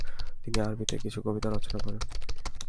তিনি আরবিতে কিছু কবিতাও রচনা করেন।